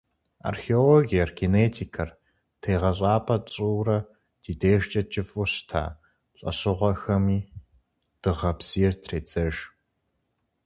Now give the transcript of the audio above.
Археологиер, генетикэр тегъэщӏапӏэ тщӏыурэ, ди дежкӏэ кӏыфӏу щыта лӏэщӏыгъуэхэми дыгъэ бзийр тредзэж.